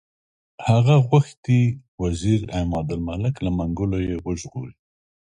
هغه غوښتي وزیر عمادالملک له منګولو یې وژغوري.